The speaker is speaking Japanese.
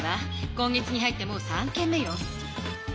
今月に入ってもう３件目よ。